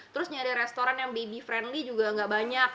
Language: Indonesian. terus nyari restoran yang baby friendly juga gak banyak